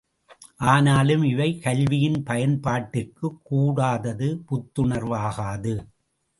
ஆனாலும், இவை கல்வியின் பயன்பாட்டிற்கு கூடாதது புத்துணர்வாகாது.